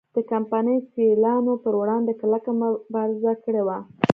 د کمپنۍ سیالانو پر وړاندې کلکه مبارزه کړې وه.